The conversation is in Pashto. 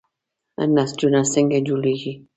نسجونه څنګه جوړیږي؟